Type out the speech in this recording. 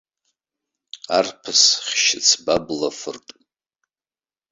Арԥыс хьшьыцбабла фырт!